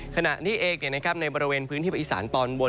ขณะนี้เองในบริเวณพื้นที่ประอิสานตอนบน